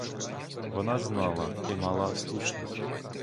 Вона знала і мала слушність.